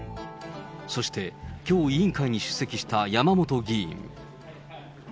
そして、きょう委員会に出席した山本議員。